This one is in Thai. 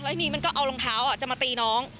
ทีนี้มันก็เอารองเท้าจะมาตีน้อง